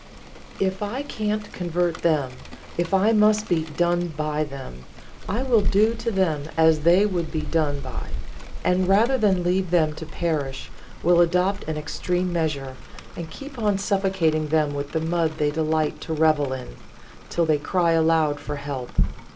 If I can't convert them, if I must be 'done' by them, I will 'do' to them as I would be 'done' by; and rather than leave them to perish, will adopt an extreme measure, and keep on suffocating them with the mud they delight to revel in, till they cry aloud for help.